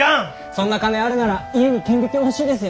そんな金あるなら家に顕微鏡欲しいですよね。